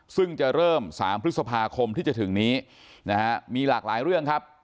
ซึ่งจะเริ่ม๓พฤษภาคมที่จะถึงนี้นะฮะมีหลากหลายเรื่องครับ